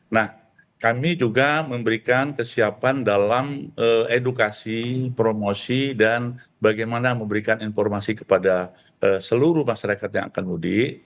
nah kami juga memberikan kesiapan dalam edukasi promosi dan bagaimana memberikan informasi kepada seluruh masyarakat yang akan mudik